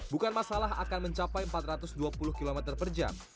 bukan masalah akan mencapai empat ratus dua puluh km per jam